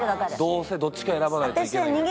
どうせどっちか選ばないといけないんだったら。